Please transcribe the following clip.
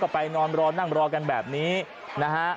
ก็ไปนอนรอนั่งรอกันแบบนี้นะฮะ